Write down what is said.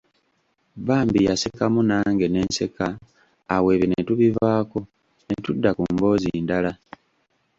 Bambi yasekamu nange ne nseka awo ebyo ne tubivaako, ne tudda ku mboozi ndala.